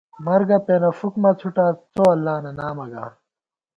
مرگہ پېنہ فُک مہ څُھٹاس ، څو اللہ نہ نامہ گا